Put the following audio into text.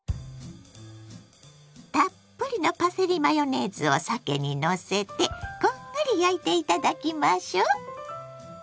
たっぷりのパセリマヨネーズをさけにのせてこんがり焼いていただきましょ。